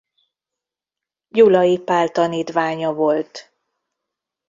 Gyulai Pál tanítványa volt.